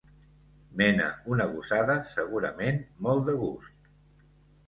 Mena una gossada, segurament molt de gust.